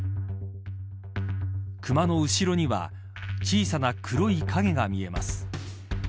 熊の後ろには小さな黒い影が見えます。